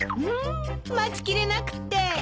うん待ちきれなくって。